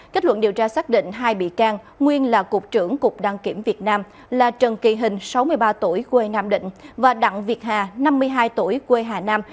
kết luận điều tra xác định hai bị can nguyên là cục trưởng cục đăng kiểm việt nam là trần kỳ hình sáu mươi ba tuổi quê nam định và đặng việt hà năm mươi hai tuổi quê hà nam